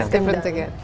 itu adalah yang lain